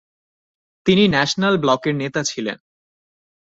তিনি ন্যাশনাল ব্লকের নেতা ছিলেন।